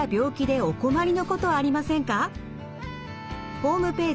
ホームページ